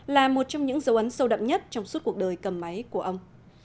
là một trong những dấu ấn sâu đậm nhất trong suốt cuộc đời cầm máy của ông